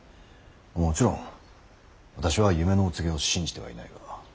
もちろん私は夢のお告げを信じてはいないが。